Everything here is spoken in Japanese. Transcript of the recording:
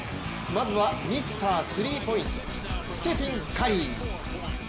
まずはミスタースリーポイント、ステフィン・カリー。